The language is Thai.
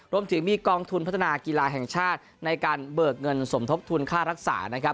รวมถึงมีกองทุนพัฒนากีฬาแห่งชาติในการเบิกเงินสมทบทุนค่ารักษานะครับ